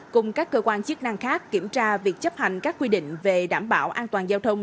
cùng các cơ quan chức năng khác kiểm tra việc chấp hành các quy định về đảm bảo an toàn giao thông